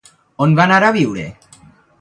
On va anar a viure?